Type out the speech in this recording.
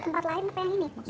tempat lain apa yang ini